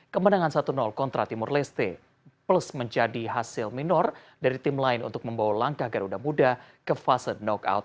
kemenangan satu kontra timur leste plus menjadi hasil minor dari tim lain untuk membawa langkah garuda muda ke fase knockout